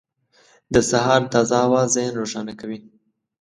• د سهار تازه هوا ذهن روښانه کوي.